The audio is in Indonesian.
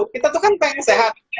kita tuh kan pengen sehat